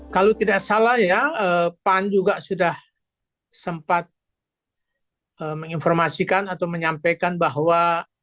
kalau tidak salah ya pan juga sudah sempat menginformasikan atau menyampaikan bahwa